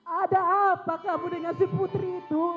ada apa kamu dengan si putri itu